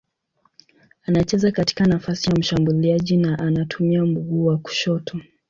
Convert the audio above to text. Anacheza katika nafasi ya mshambuliaji na anatumia mguu wa kushoto.